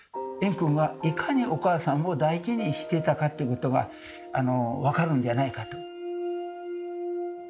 円空がいかにお母さんを大事にしてたかということが分かるんじゃないかと。